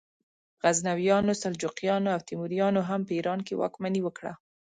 غزنویانو، سلجوقیانو او تیموریانو هم په ایران واکمني وکړه.